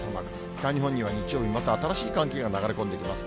北日本には日曜日、また新しい寒気が流れ込んできます。